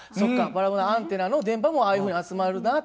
パラボラアンテナの電波もああいうふうに集まるなって。